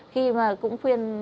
khi mà cũng khuyên